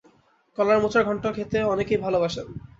কলার মোচার ঘণ্ট খেতে অনেকেই ভালোবাসেন।